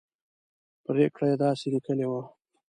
پرېکړه یې داسې لیکلې وه.